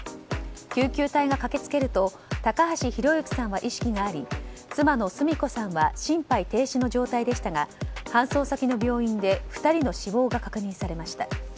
救急隊が駆け付けると高橋博幸さんは意識があり妻の澄子さんは心肺停止の状態でしたが搬送先の病院で２人の死亡が確認されました。